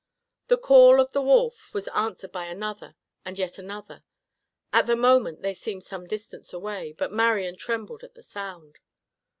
The call of the wolf was answered by another, and yet another. At the moment they seemed some distance away, but Marian trembled at the sound.